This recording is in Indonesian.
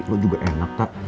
lo juga enak tak